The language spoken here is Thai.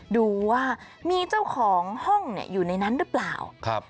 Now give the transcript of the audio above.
ดูว่ามีเจ้าของห้องอยู่ในนั้นหรือเปล่า